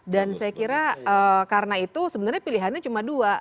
dan saya kira karena itu sebenarnya pilihannya cuma dua